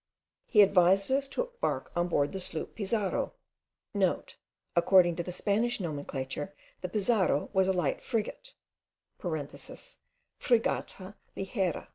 He advised us to embark on board the sloop Pizarro,* (* According to the Spanish nomenclature, the Pizarro was a light frigate (fragata lijera).)